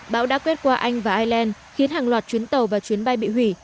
bão đã quét qua anh và ireland khiến hàng loạt chuyến tàu và chuyến bay bị hủy